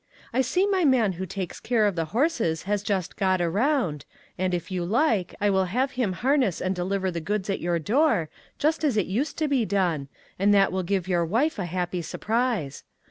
I see my man who takes care of the horses has just got around, and, if you like, I will have him harness and deliver the goods at your door, just as it used to be done, and that will give your wife a happy surprise.